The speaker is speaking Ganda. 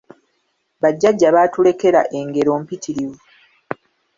Bajjajja baatulekera engero mpitirivu.